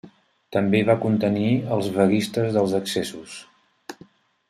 També va contenir als vaguistes dels excessos.